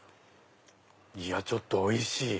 ちょっとおいしい。